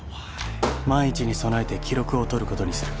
［万一に備えて記録を取ることにする］